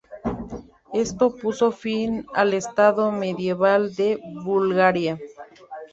Esto puso fin al estado medieval de Bulgaria.